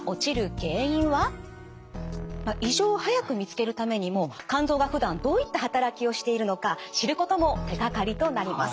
異常を早く見つけるためにも肝臓がふだんどういった働きをしているのか知ることも手がかりとなります。